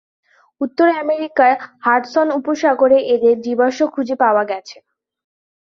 উত্তর আমেরিকার হাডসন উপসাগরে এদের জীবাশ্ম খুঁজে পাওয়া গেছে।